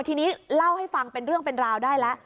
ทีนี้เล่าให้ฟังเป็นเรื่องเป็นราวได้แล้ว